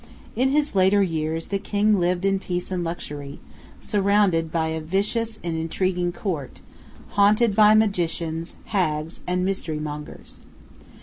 In his later years the king lived in peace and luxury, surrounded by a vicious and intriguing Court, haunted by magicians, hags, and mystery mongers.